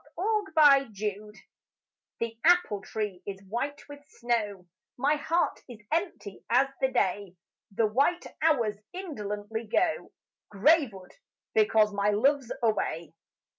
V The Apple Tree The apple tree is white with snow, My heart is empty as the day; The white hours indolently go Graveward, because my love's away.